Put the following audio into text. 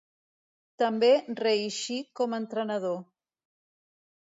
També reeixí com a entrenador.